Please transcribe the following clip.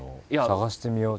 探してみよう。